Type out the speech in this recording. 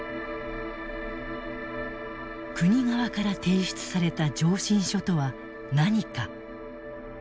国側から提出された上申書とは何か？